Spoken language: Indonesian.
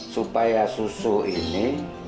supaya susu ini